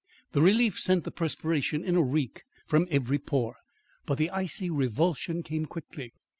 The relief sent the perspiration in a reek from every pore; but the icy revulsion came quickly.